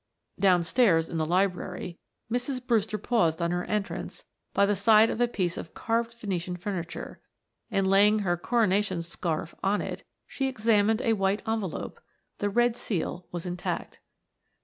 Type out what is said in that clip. Downstairs in the library Mrs. Brewster paused on her entrance by the side of a piece of carved Venetian furniture and laying her coronation scarf on it, she examined a white envelope the red seal was intact.